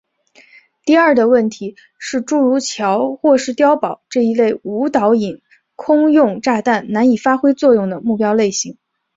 第二的问题是诸如桥或是碉堡这一类无导引空用炸弹难以发挥作用的目标类型。